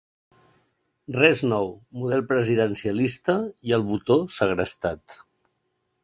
Res nou, model presidencialista i "el botó" segrestat.